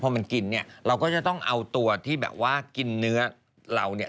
พอมันกินเนี่ยเราก็จะต้องเอาตัวที่แบบว่ากินเนื้อเราเนี่ย